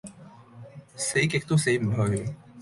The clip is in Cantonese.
死極都死唔去